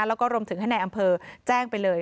แล้วก็รวมถึงให้ในอำเภอแจ้งไปเลย